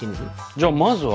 じゃあまずは。